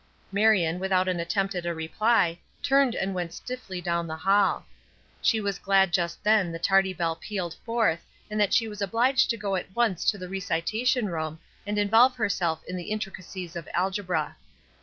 Marion, without an attempt at a reply, turned and went swiftly down the hall. She was glad that just then the tardy bell pealed forth, and that she was obliged to go at once to the recitation room and involve herself in the intricacies of algebra.